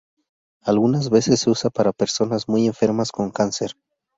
Algunas veces se usa para personas muy enfermas con cáncer.